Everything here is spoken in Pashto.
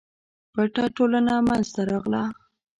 پټه ټولنه منځته راغله.